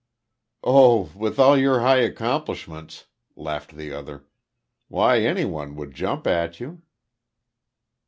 "Oh, with all your high accomplishments," laughed the other. "Why any one would jump at you."